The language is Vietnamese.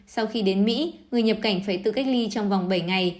sau khi đến mỹ người nhập cảnh phải tự cách ly trong vòng bảy ngày